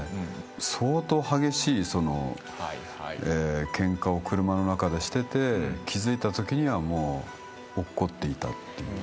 相当激しいケンカを車の中でしてて気付いたときにはもう落っこっていた。